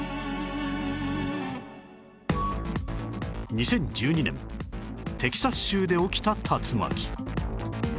２０１２年テキサス州で起きた竜巻